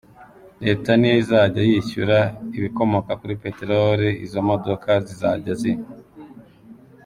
Leta niyo izajya yishyura ibikomoka kuri Peteroli izo modoka zizajya zinywa.